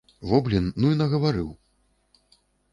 Во блін, ну і нагаварыў!